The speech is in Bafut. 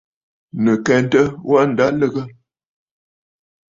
Nɨ̀ kɛntə, wâ ǹda lɨgə.